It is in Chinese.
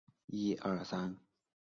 日本动画协会正式会员。